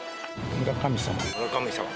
村神様。